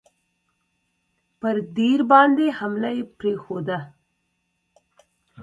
پر دیر باندي حمله یې پرېښوده.